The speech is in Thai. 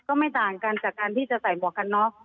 ก็ไม่ต่างกันจากการที่จะใส่หมวกกันน็อก